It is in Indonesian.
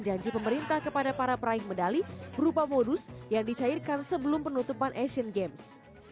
janji pemerintah kepada para peraih medali berupa modus yang dicairkan sebelum penutupan asian games